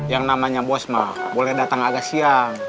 yang namanya bos mak boleh datang agak siang